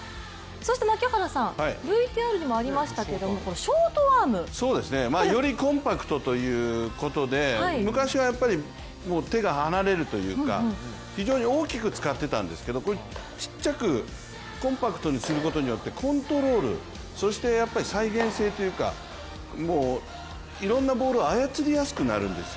槙原さん、ＶＴＲにもありましたけどショートアーム。よりコンパクトということで昔は手が離れるというか非常に大きく使っていたんですけどちっちゃくコンパクトにすることによってコントロール、そして再現性というかいろんなボールを操りやすくなるんですよ。